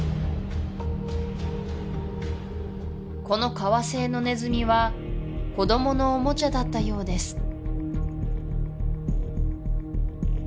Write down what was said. この革製のネズミは子どものおもちゃだったようです